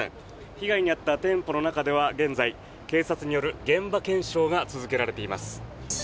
被害に遭った店舗の中では現在、警察による現場検証が続けられています。